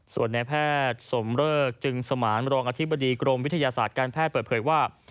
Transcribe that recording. ส่วนในแพทย์สมเริกจึงสมานรองอธิบดีกรมวิทยาศาสตร์การแพทย์เปิดเผยว่า